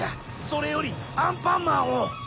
それよりアンパンマンを！